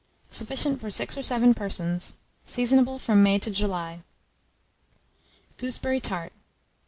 Sufficient for 6 or 7 persons. Seasonable from May to July. GOOSEBERRY TART.